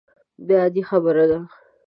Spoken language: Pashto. دا عادي خبره ده.